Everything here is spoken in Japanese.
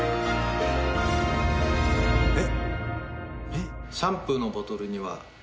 えっ？